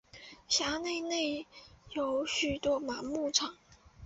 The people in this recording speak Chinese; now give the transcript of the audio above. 辖区内内有许多马牧场。